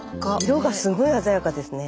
色がすごい鮮やかですね。